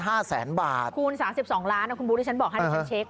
คูณ๓๒ล้านบาทคุณบุ๊คดิฉันบอกให้ดิฉันเช็ค